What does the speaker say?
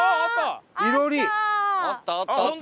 あったあったあった！